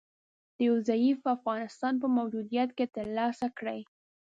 د یو ضعیفه افغانستان په موجودیت کې تر لاسه کړي